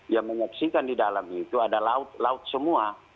yang mengaksikan di dalam itu ada laut semua